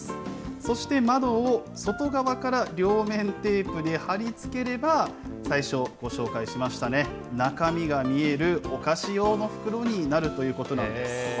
そして窓を外側から両面テープで貼り付ければ、最初ご紹介しましたね、中身が見えるお菓子用の袋になるということなんです。